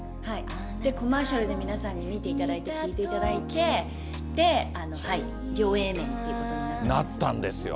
で、コマーシャルで皆さんに見ていただいて、聴いていただいて、で、なったんですよ。